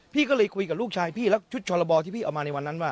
พี่ก็เลยคุยกับลูกชายพี่แล้วชุดชรบที่พี่เอามาในวันนั้นว่า